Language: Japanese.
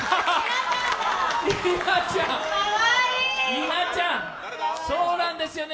稲ちゃん、そうなんですよね